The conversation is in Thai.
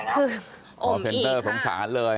คือโคลเซนเตอร์สงสารเลย